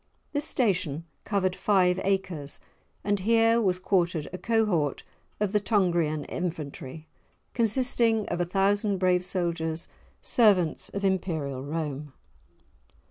This station covered five acres, and here was quartered a cohort of the Tungrian infantry, consisting of a thousand brave soldiers, servants of Imperial Rome.